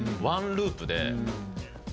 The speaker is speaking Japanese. ワンループで。